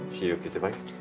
see you gitu baik